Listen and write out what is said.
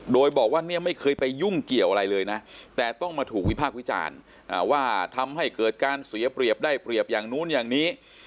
โดยบอกว่าเนี่ยไม่เคยไปยุ่งเกี่ยวอะไรเลยนะแต่ต้องมาถูกวิพากษ์วิจารณ์ว่าทำให้เกิดการเสียเปรียบได้เปรียบอย่างนู้นอย่างนี้